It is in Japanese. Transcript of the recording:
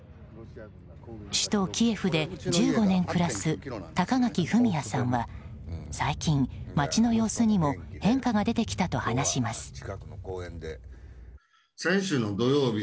首都キエフで１５年暮らす高垣典哉さんは最近、街の様子にも変化が出てきたと話します。